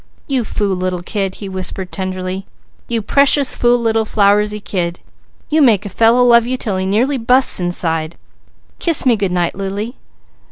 "You fool little kid," he whispered tenderly. "You precious fool little flowersy kid! You make a fellow love you 'til he nearly busts inside. Kiss me good night, Lily."